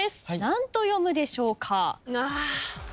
何と読むでしょうか？